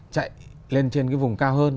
chạy lên trên cái vùng cao hơn